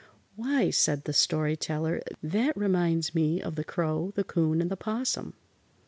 "Why," said the Story Teller, "that reminds me of the Crow, the 'Coon and the 'Possum."